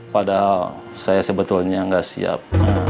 padahal saya sebetulnya nggak siap